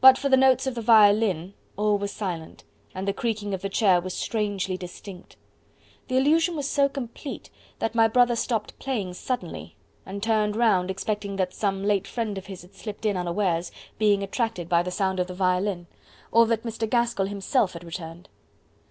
But for the tones of the violin, all was silent, and the creaking of the chair was strangely distinct. The illusion was so complete that my brother stopped playing suddenly, and turned round expecting that some late friend of his had slipped in unawares, being attracted by the sound of the violin, or that Mr. Gaskell himself had returned.